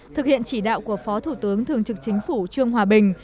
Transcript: thực hiện chỉ đạo của phó thủ tướng thường trực chính phủ trương hòa bình